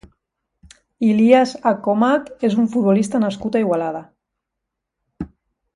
Ilias Akhomach és un futbolista nascut a Igualada.